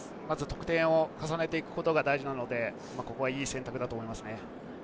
得点を重ねていくことが大事なのでいい選択だと思います。